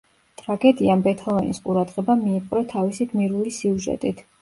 ტრაგედიამ ბეთჰოვენის ყურადღება მიიპყრო თავისი გმირული სიუჟეტით.